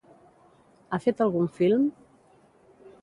Ha fet algun film?